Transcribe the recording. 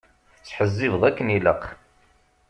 Tettḥezzibeḍ akken ilaq.